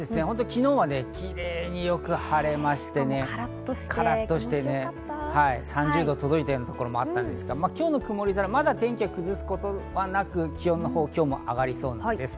昨日はキレイによく晴れまして、カラッとして、３０度に届いたようなところもあったんですが今日の曇り空、まだ天気を崩すことはなく、気温のほう、今日も上がりそうです。